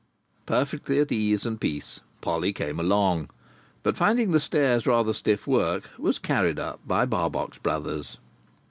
Perfectly at ease and peace, Polly came along, but, finding the stairs rather stiff work, was carried up by Barbox Brothers.